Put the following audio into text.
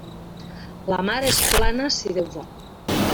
La mar és plana si Déu vol.